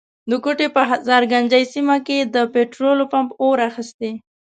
د کوټي په هزارګنجۍ سيمه کي د پټرولو پمپ اور اخستی.